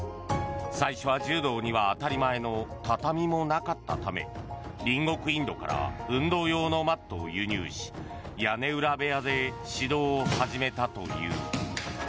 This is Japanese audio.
最初は、柔道には当たり前の畳もなかったため隣国インドから運動用のマットを輸入し屋根裏部屋で指導を始めたという。